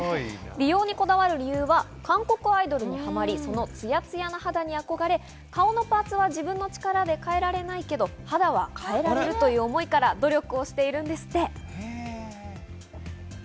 美容にこだわる理由は韓国アイドルにハマり、そのツヤツヤな肌に憧れ、顔のパーツは自分の力で変えられないけど、肌は変えられるという思いから努力をしているんですって。